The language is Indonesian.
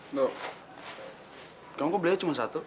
ngo kamu kok belainnya cuma satu